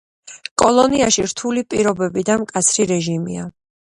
კოლონიაში რთული პირობები და მკაცრი რეჟიმია.